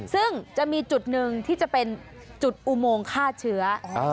ซึ่งจะมีจุดหนึ่งที่จะเป็นจุดอุโมงฆ่าเชื้อ